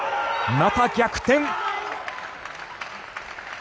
また逆転！